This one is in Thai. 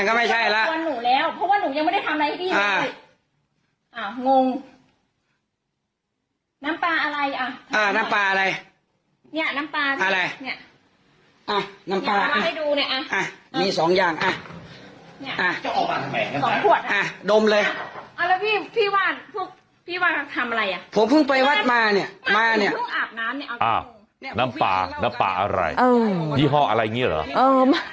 น้ำปลาน้ำปลาอะไรยี่ห้องอะไรอย่างนี้เหรอ